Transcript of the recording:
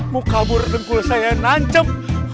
mau kabur dengkul saya nancem